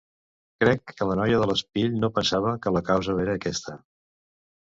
Crec que la noia de l'espill no pensava que la causa era aquesta.